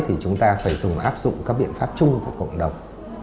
thì chúng ta phải dùng áp dụng các biện pháp chung của cộng đồng